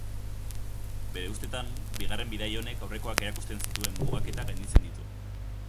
Bere ustetan, bigarren bidai honek aurrekoak erakusten zituen mugaketak gainditzen ditu.